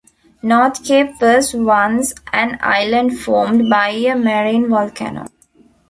North Cape was once an island formed by a marine volcano.